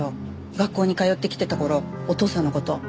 学校に通ってきてた頃お父さんの事。